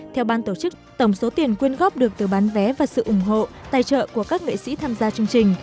theo ban tổ chức tổng số tiền quyên góp được từ bán vé và sự ủng hộ tài trợ của các nghệ sĩ tham gia chương trình